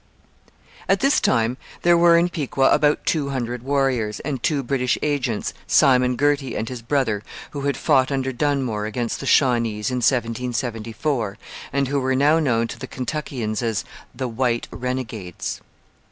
At this time there were in Piqua about two hundred warriors and two British agents, Simon Girty and his brother, who had fought under Dunmore against the Shawnees in 1774, and who were now known to the Kentuckians as 'the white renegades.'